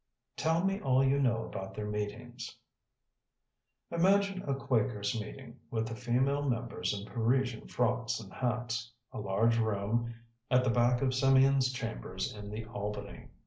"Tell me all you know about their meetings." "Imagine a Quakers' meeting, with the female members in Parisian frocks and hats a large room at the back of Symeon's chambers in the 'Albany.'